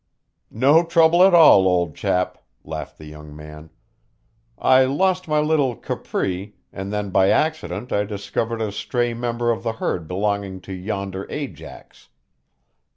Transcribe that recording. "No trouble at all, old chap," laughed the young man. "I lost my little capri, and then by accident I discovered a stray member of the herd belonging to yonder Ajax.